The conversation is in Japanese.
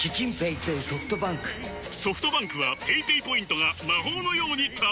ソフトバンクはペイペイポイントが魔法のように貯まる！